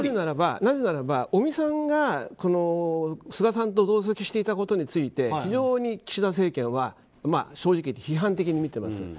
なぜならば、尾身さんが菅さんと同席していたことについて非常に岸田政権は正直言って批判的に見ています。